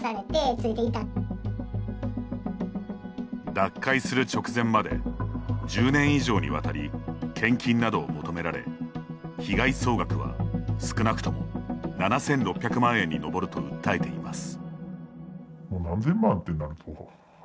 脱会する直前まで１０年以上にわたり献金などを求められ、被害総額は少なくとも７６００万円に上ると訴えています。